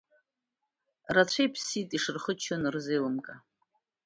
Рацәа иԥсит ишырхыччо нырзеилымкаа.